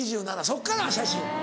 そっからは写真。